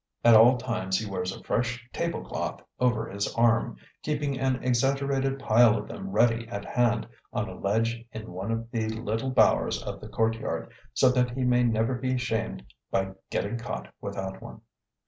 At all times he wears a fresh table cloth over his arm, keeping an exaggerated pile of them ready at hand on a ledge in one of the little bowers of the courtyard, so that he may never be shamed by getting caught without one.